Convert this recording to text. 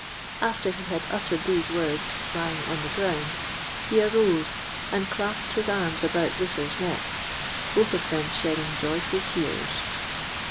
After he had uttered these words lying on the ground, he arose and clasped his arms about Luther's neck, both of them shedding joyful tears.